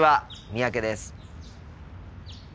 三宅です。